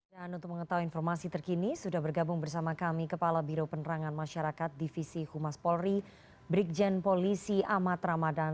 dan untuk mengetahui informasi terkini sudah bergabung bersama kami kepala biro penerangan masyarakat divisi humas polri brikjen polisi amat ramadan